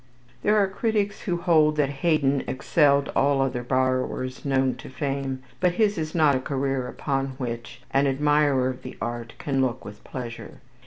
There are critics who hold that Haydon excelled all other borrowers known to fame; but his is not a career upon which an admirer of the art can look with pleasure.